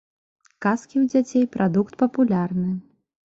Казкі ў дзяцей прадукт папулярны.